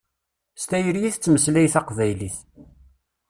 S tayri i tettmeslay taqbaylit.